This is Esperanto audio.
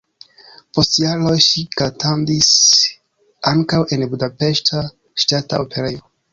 Post jaroj ŝi kantadis ankaŭ en Budapeŝta Ŝtata Operejo.